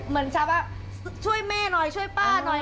เหมือนกับว่าช่วยแม่หน่อยช่วยป้าหน่อย